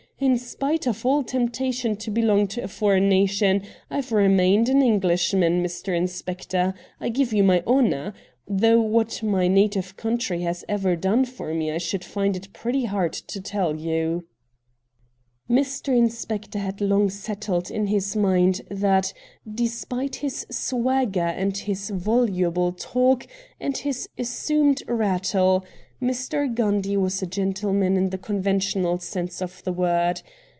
In spite of MR. RATT GUNDY 127 all temptation to belong to a foreign nation, I've remained an Englishman, Mr. Inspector — I give you my honour — though what my native country has ever done for me I should find it pretty hard to tell you/ Mr. Inspector had long settled in his mind that, despite his swagger and his voluble talk and his assumed rattle, Mr. Gundy was a gentleman in the conventional sense of the word.